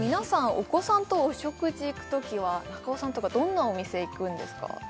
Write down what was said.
お子さんとお食事行くときは中尾さんとかどんなお店行くんですか？